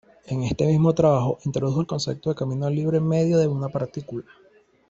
En este mismo trabajo introdujo el concepto de camino libre medio de una partícula.